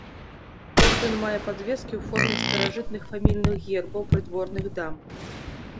Ордэн мае падвескі ў форме старажытных фамільных гербаў прыдворных дам.